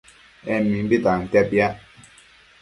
En mimbi tantia piac